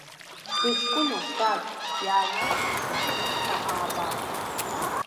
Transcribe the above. Дыҷкәыноуп, дад, иааиашәраӡа, ииҳәо аабап.